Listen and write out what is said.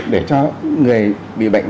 để cho người bị bệnh đấy